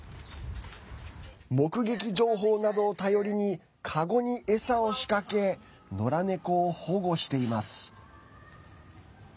目撃情報などを頼りにカゴに餌を仕掛けのら猫を保護しています。